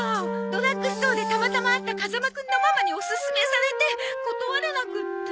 ドラッグストアでたまたま会った風間くんのママにおすすめされて断れなくって。